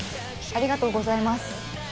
ありがとうございます。